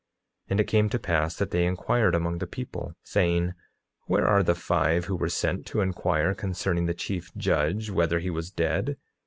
9:12 And it came to pass that they inquired among the people, saying: Where are the five who were sent to inquire concerning the chief judge whether he was dead?